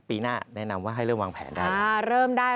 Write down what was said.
ปีหน้าแนะนำว่าให้เริ่มวางแผนได้